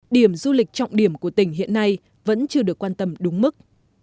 điểm du lịch trọng điểm của tỉnh hiện nay vẫn chưa được quan tâm đúng mức